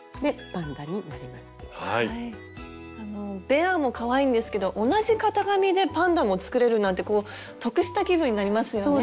ベアもかわいいんですけど同じ型紙でパンダも作れるなんて得した気分になりますよね。